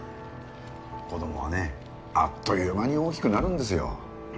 子どもはねあっという間に大きくなるんですよ。